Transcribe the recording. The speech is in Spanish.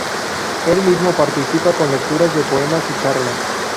El mismo participa con lecturas de poemas y charlas.